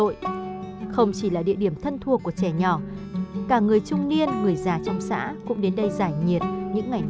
tôi để ý thì khoảng độ sáu bảy trăm lượt người